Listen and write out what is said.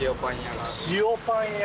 塩パン屋？